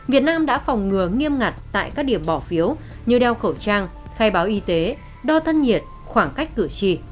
việt nam đã phòng ngừa nghiêm ngặt tại các điểm bỏ phiếu như đeo khẩu trang khai báo y tế đo thân nhiệt khoảng cách cử tri